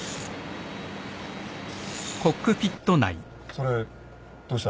それどうした？